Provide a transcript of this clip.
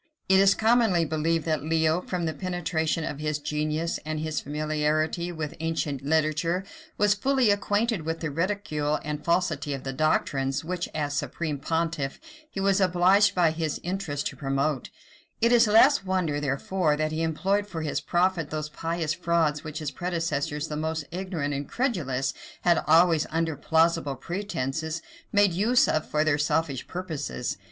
[*] It is commonly believed that Leo, from the penetration of his genius, and his familiarity with ancient literature, was fully acquainted with the ridicule and falsity of the doctrines which, as supreme pontiff, he was obliged by his interest to promote: it is the less wonder, therefore, that he employed for his profit those pious frauds which his predecessors, the most ignorant and credulous, had always, under plausible pretences, made use of for their selfish purposes.